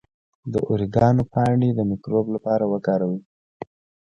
د اوریګانو پاڼې د مکروب لپاره وکاروئ